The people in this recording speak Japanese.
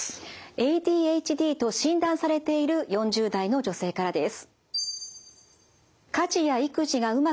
ＡＤＨＤと診断されている４０代の女性からです。